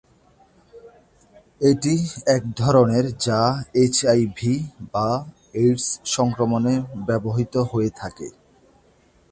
এটি একধরনের যা এইচআইভি বা এইডস সংক্রমণে ব্যবহৃত হয়ে থাকে।